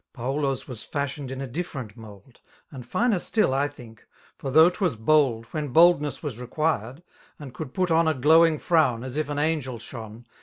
Paulo's was fashioned in a different mould. And finer still, I think $ for though 'twas b(dd. When boldneas was required, and could put on A glowing frown, as if an angel shone.